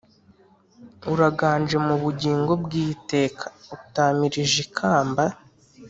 uraganje mu bugingo bw’iteka, utamirije ikamba,